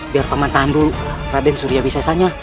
biar paman tahan dulu raden surya bisa saja